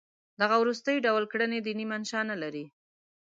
دغه د وروستي ډول کړنې دیني منشأ نه لري.